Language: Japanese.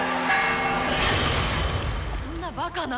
そんなバカな！